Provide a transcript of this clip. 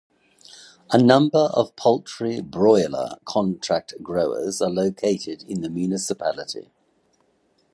A number of poultry broiler contract growers are located in the municipality.